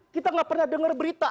kita gak pernah dengar berita